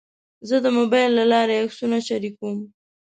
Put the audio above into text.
زه د موبایل له لارې عکسونه شریکوم.